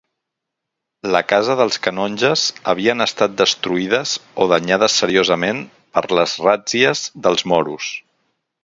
La Casa dels Canonges havien estat destruïdes o danyades seriosament per les ràtzies dels moros.